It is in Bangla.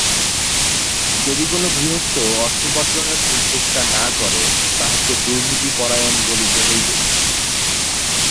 যদি কোন গৃহস্থ অর্থোপার্জনের চেষ্টা না করে, তাহাকে দুর্নীতিপরায়ণ বলিতে হইবে।